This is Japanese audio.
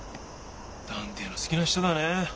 断定の好きな人だねえ。